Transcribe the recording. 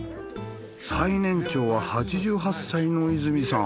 最年長は８８歳の泉さん。